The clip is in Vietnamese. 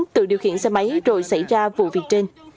tự điều khiển xe máy rồi xảy ra vụ việc trên